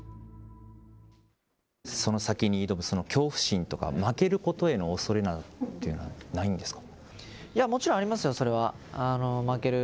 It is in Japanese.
その先に挑む、その恐怖心とか、負けることへの恐れなんていうのはないんですか？